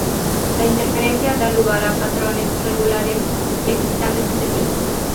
La interferencia da lugar a patrones regulares y equidistantes entre sí.